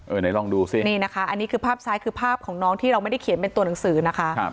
ไหนลองดูสินี่นะคะอันนี้คือภาพซ้ายคือภาพของน้องที่เราไม่ได้เขียนเป็นตัวหนังสือนะคะ